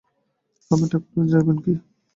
রমাই ঠাকুর যাইবেন কি?